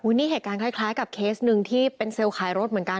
นี่เหตุการณ์คล้ายกับเคสหนึ่งที่เป็นเซลล์ขายรถเหมือนกัน